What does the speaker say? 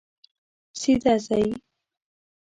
سیده ځئ